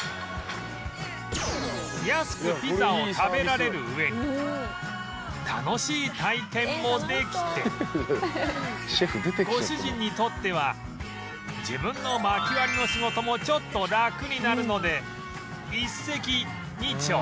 安くピザを食べられる上に楽しい体験もできてご主人にとっては自分の薪割りの仕事もちょっとラクになるので一石二鳥